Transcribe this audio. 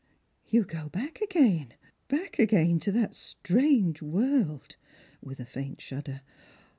" You go back again, back again to that strange world !" with a faint shudder.